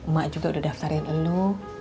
mak juga udah daftarin lu